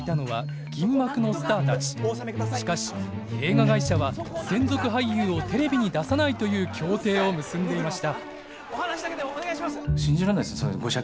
しかし映画会社は専属俳優をテレビに出さないという協定を結んでいました。